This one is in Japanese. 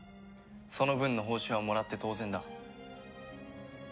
その分の報酬はもらって当然だ。